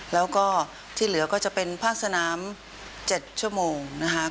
แล้วก็ที่เหลือก็จะเป็นภาคสนาม๗ชั่วโมงนะครับ